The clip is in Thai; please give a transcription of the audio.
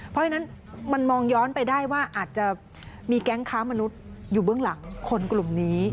เพราะฉะนั้นมันมองย้อนไปได้ว่าอาจจะมีแก๊งค้ามนุษย์อยู่เบื้องหลังคนกลุ่มนี้